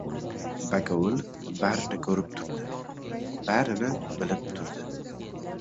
Bakovul barini ko‘rib turdi, barini bilib turdi.